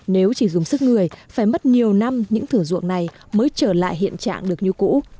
nếu chỉ dùng sức người phải mất nhiều năm những thử ruộng này mới trở lại hiện trạng được như cũ